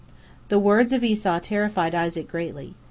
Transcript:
The words of Esau terrified Isaac greatly.